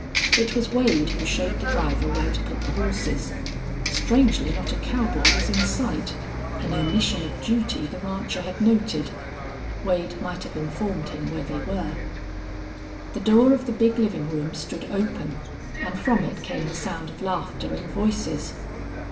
It was Wade who showed the driver where to put the horses. Strangely, not a cowboy was in sight, an omission of duty the rancher had noted. Wade might have informed him where they were. The door of the big living room stood open, and from it came the sound of laughter and voices.